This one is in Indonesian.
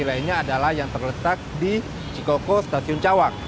lainnya adalah yang terletak di cikoko stasiun cawang